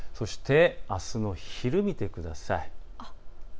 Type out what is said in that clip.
あすの昼、見てください。